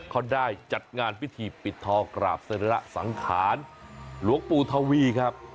เขาได้จัดงานพิธีปิดทองกราบสรีระสังขารหลวงปู่ทวีครับ